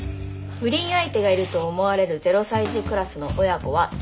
不倫相手がいると思われる０歳児クラスの親子は１０組。